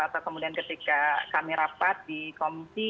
atau kemudian ketika kami rapat di komisi